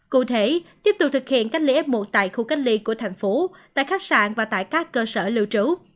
cụ thể tiếp tục thực hiện cách ly f một tại khu cách ly của thành phố tại khách sạn và tại các cơ sở lưu trú